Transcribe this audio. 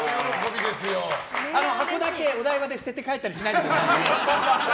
箱だけお台場で捨てて帰ったりしないでくださいね。